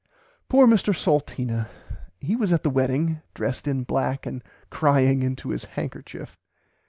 Poor Mr Salteena. He was at the wedding, dressed in black and crying into his handkerchief.